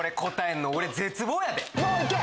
もういけ！